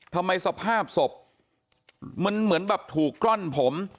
สภาพศพมันเหมือนแบบถูกกล้อนผม